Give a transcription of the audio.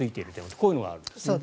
こういうのがあるんですね。